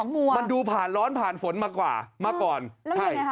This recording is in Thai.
มันดูผ่านร้อนผ่านฝนมาก่อนว่างี้ไงคะ